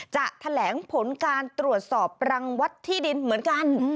จะแถลงผลการตรวจสอบรังวัดที่ดินเหมือนกัน